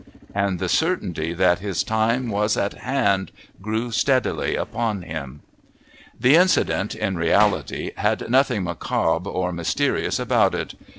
And the certainty that his time was at hand grew steadily upon him. The incident, in reality, had nothing macabre or mysterious about it.